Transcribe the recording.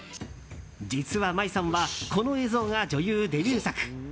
実は舞衣さんはこの映像が女優デビュー作。